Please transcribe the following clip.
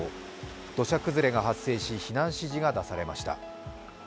土砂崩れが発生し避難指示が出されました。